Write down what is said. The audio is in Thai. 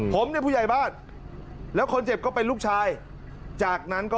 ผมเนี่ยผู้ใหญ่บ้านแล้วคนเจ็บก็เป็นลูกชายจากนั้นก็